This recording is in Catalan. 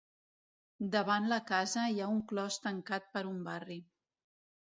Davant la casa hi ha un clos tancat per un barri.